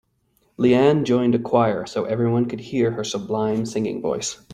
Leanne joined a choir so everyone could hear her sublime singing voice.